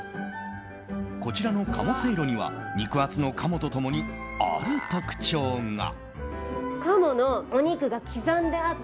こちらの鴨せいろには肉厚の鴨と共にある特徴が。